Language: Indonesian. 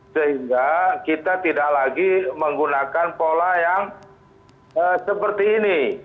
sehingga kita tidak lagi menggunakan pola yang seperti ini